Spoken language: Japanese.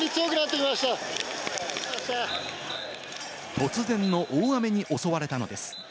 突然の大雨に襲われたのです。